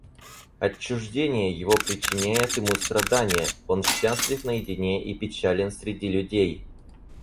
Отчуждение его причиняет ему страдания, он счастлив наедине и печален среди людей.